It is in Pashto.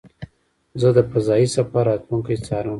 زه د فضایي سفر راتلونکی څارم.